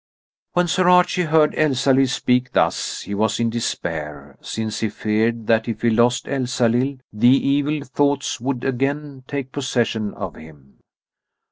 When Sir Archie heard Elsalill speak thus he was in despair, since he feared that, if he lost Elsalill, the evil thoughts would again take possession of him.